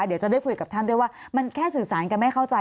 เดี๋ยวจะได้คุยกับท่านด้วยว่ามันแค่สื่อสารกันไม่เข้าใจ